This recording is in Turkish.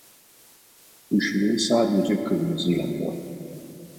ışığı sadece kırmızı yanıyor